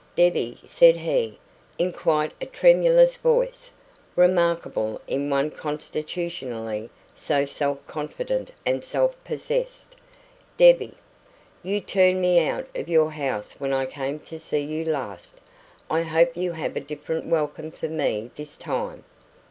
"Debbie," said he, in quite a tremulous voice remarkable in one constitutionally so self confident and self possessed "Debbie, you turned me out of your house when I came to see you last. I hope you have a different welcome for me this time?"